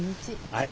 はい。